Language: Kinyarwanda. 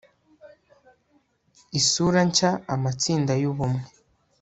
isura nshya amatsinda y'ubumwe